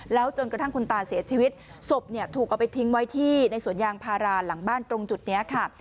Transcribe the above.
แล้วจนกระทั่งคุณตาเสียชีวิตศพเนี่ยถูกเอาไปทิ้งไว้ที่ในสวนยางพาราหลังบ้านตรงจุดนี้ค่ะ